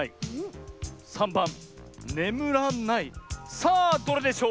さあどれでしょう？